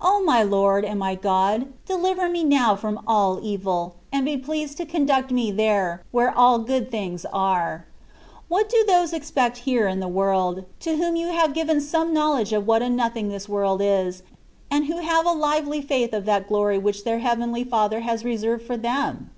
O my Lord and my God, deliver me now from all evil, and be pleased to conduct me there, where all good things are. What do those expect here in this world, to whom you have given some know ledge of what a nothing this world is, and who ^have a lively faith of that glory which their neavenly Father has reserved for them?